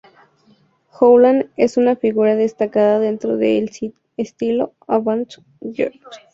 Holland es una figura destacada dentro del estilo "avant-garde".